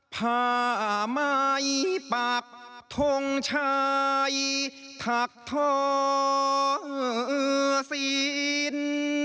ผ้าไหมปากทงชายถักทอสิน